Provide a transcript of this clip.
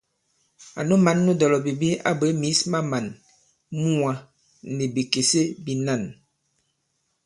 Ànu mǎn nu dɔ̀lɔ̀bìbi a bwě mǐs ma màn muwā nì bìkèse bīnân.